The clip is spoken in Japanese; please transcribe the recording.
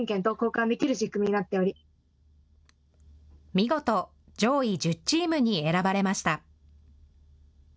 見事、上位１０チームに選ばれました。